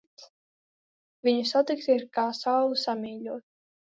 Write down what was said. Viņu satikt ir kā sauli samīļot.